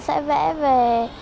sẽ vẽ về